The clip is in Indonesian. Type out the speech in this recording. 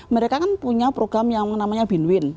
mereka kan punya program yang namanya binwin